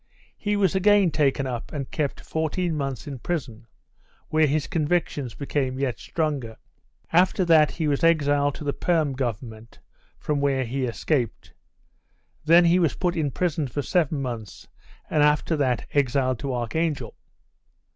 He was again taken up and kept fourteen months in prison, where his convictions became yet stronger. After that he was exiled to the Perm Government, from where he escaped. Then he was put to prison for seven months and after that exiled to Archangel.